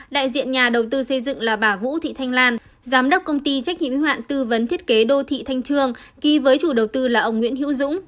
đại diện nhà đầu tư xây dựng là bà vũ thị thanh lan giám đốc công ty trách nhiệm hoạn tư vấn thiết kế đô thị thanh trương ký với chủ đầu tư là ông nguyễn hữu dũng